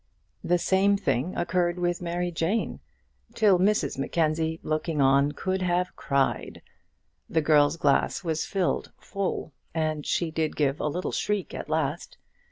The same thing occurred with Mary Jane till Mrs Mackenzie, looking on, could have cried. The girl's glass was filled full, and she did give a little shriek at last.